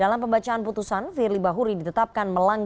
apa yang diambil